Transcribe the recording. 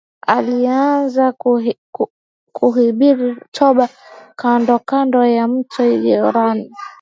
Alianza kuhubiri toba kandokando ya mto Yordani